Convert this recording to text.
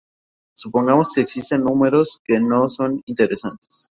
Supongamos que existen números que no son interesantes.